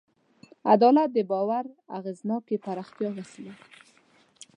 عدالت د باور د اغېزناکې پراختیا وسیله ده.